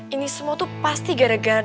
ini semua tuh pasti gara gara